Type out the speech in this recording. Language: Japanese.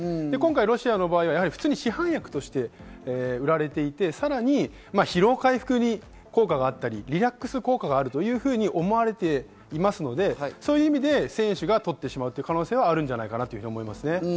今回ロシアの場合は普通に市販薬として売られていて、さらに疲労回復に効果があったり、リラックス効果があるというふうに思われていますので、そういう意味で選手が取ってしまう可能性はあるんじゃないかなと思います。